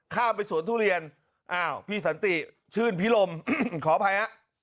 ข้ามไปสวนทุเรียนอ้าวพี่สันติชื่นพิรมขออภัยฮะ